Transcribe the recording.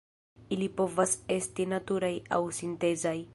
Ili povas esti naturaj aŭ sintezaj.